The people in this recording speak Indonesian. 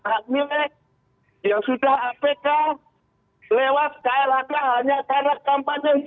hak milik yang sudah apk lewat klhk hanya karena kampanye